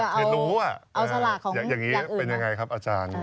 ขวดแอลกอฮอล์แหละแต่แบบเอาสลักของอย่างอื่นอย่างนี้เป็นยังไงครับอาจารย์